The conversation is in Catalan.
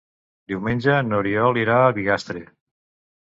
Diumenge n'Oriol irà a Bigastre.